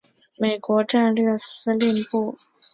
美国战略司令部是国防部十大统一指挥部之一。